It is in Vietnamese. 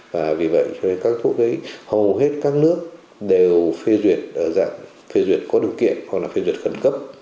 vì vậy cho nên các thuốc ấy hầu hết các nước đều phê duyệt ở dạng phê duyệt có điều kiện hoặc là phê duyệt khẩn cấp